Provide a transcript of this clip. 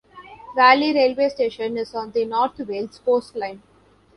Valley railway station is on the North Wales Coast Line.